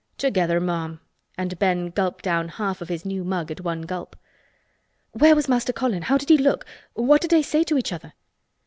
"Together, ma'am," and Ben gulped down half of his new mug at one gulp. "Where was Master Colin? How did he look? What did they say to each other?"